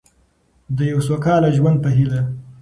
د یو سوکاله ژوند په هیله.